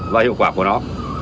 và hiệu quả của nó